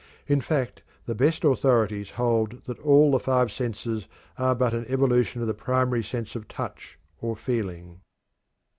In fact, the best authorities hold that all the five senses are but an evolution of the primary sense of touch or feeling.